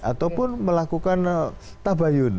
ataupun melakukan tabayun